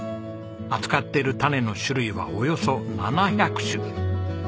扱っている種の種類はおよそ７００種。